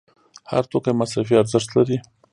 هر توکی مصرفي ارزښت لري.